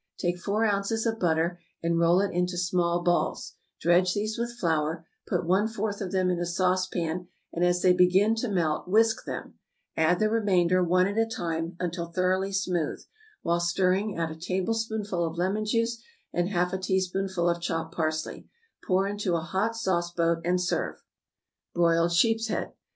= Take four ounces of butter, and roll it into small balls; dredge these with flour; put one fourth of them in a saucepan, and as they begin to melt whisk them; add the remainder, one at a time, until thoroughly smooth; while stirring add a tablespoonful of lemon juice and half a teaspoonful of chopped parsley; pour into a hot sauce boat, and serve. =Broiled Sheeps head.